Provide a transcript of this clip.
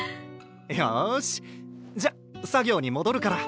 よしじゃ作業にもどるから。